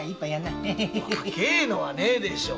「若いの」はないでしょう。